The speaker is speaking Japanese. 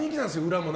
裏も。